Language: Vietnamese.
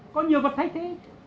có nhiều vật thay thế